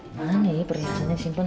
gimana nih perhiasannya simpen